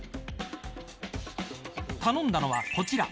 頼んだのは、こちら。